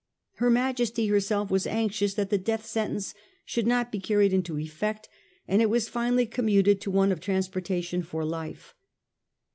Her Majesty herself was anxious that the death sentence should not be carried into effect, and it was finally commuted to one of transportation for life.